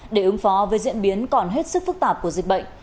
để ứng phó với diễn biến còn hết sức phức tạp của dịch bệnh